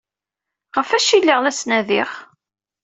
Ɣef wacu i lliɣ la ttnadiɣ?